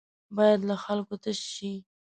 بايد له خلکو تش شي.